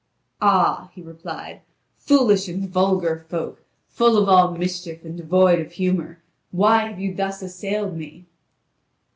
"Ah," he replied, "foolish and vulgar folk, full of all mischief, and devoid of honour, why have you thus assailed me?"